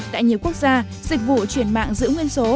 tại nhiều quốc gia dịch vụ chuyển mạng giữ nguyên số